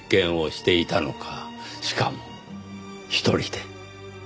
しかも一人で。